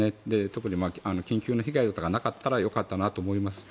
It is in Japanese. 特に緊急の被害がなかったらよかったなと思います。